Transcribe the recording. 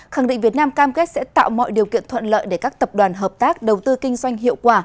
khẳng định việt nam cam kết sẽ tạo mọi điều kiện thuận lợi để các tập đoàn hợp tác đầu tư kinh doanh hiệu quả